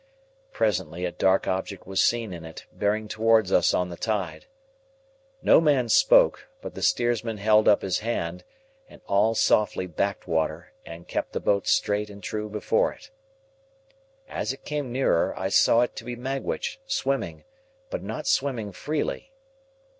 Presently a dark object was seen in it, bearing towards us on the tide. No man spoke, but the steersman held up his hand, and all softly backed water, and kept the boat straight and true before it. As it came nearer, I saw it to be Magwitch, swimming, but not swimming freely.